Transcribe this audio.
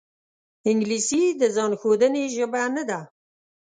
انګلیسي د ځان ښودنې ژبه نه ده